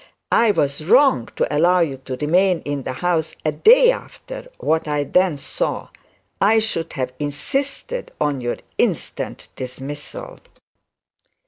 I was wrong to allow you to remain in the house a day after what I then saw. I should have insisted on your instant dismissal.'